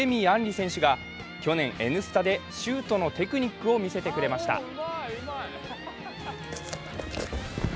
杏利選手選手が去年、「Ｎスタ」でシュートのテクニックを見せてくれました。